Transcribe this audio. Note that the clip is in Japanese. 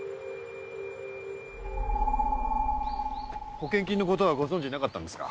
保険金のことはご存じなかったんですか？